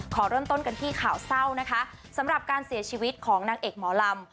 ขอเริ่มต้นกันที่ข่าวเศร้านะคะสำหรับการเสียชีวิตของนางเอกหมอลำ